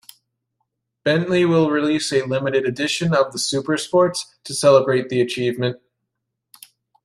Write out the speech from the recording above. Bentley will release a limited edition of the Supersports to celebrate the achievement.